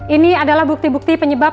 ini adalah bukti bukti penyebab